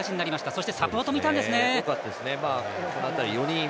そして、サポートもいたんですね。